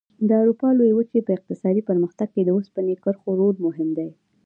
د اروپا لویې وچې په اقتصادي پرمختګ کې د اوسپنې کرښو رول مهم دی.